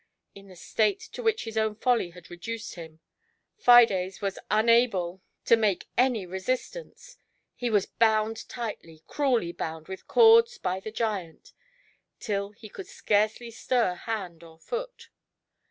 In the state to which his own folly had reduced him, Fides was un GIANT HATE. able to make any resistance. He was bound tightly, cruelly bound with corda by the giant, till he could scarcely stir hand or foot.